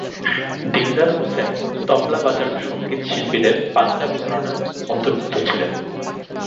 দিলদার হুসেন তবলা বাজানো সংগীত শিল্পীদের পাঞ্জাব ঘরানার অন্তর্ভুক্ত ছিল।